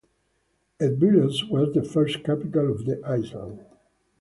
Evdilos was the first capital of the island.